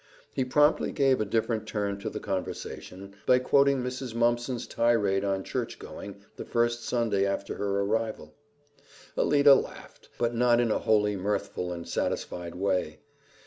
He promptly gave a different turn to the conversation by quoting Mrs. Mumpson's tirade on churchgoing the first Sunday after her arrival. Alida laughed, but not in a wholly mirthful and satisfied way.